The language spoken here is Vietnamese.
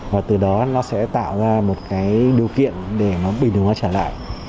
và từ đó nó sẽ tạo ra một cái điều kiện để nó bình thường hóa trở lại